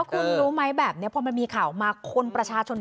คุณรู้ไหมแบบนี้พอมันมีข่าวมาคนประชาชน